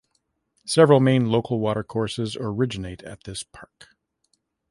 Several main local watercourses originate at this park.